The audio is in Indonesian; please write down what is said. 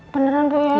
beneran bu ya